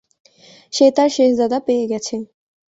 সে তার শেহজাদা পেয়ে গেছে।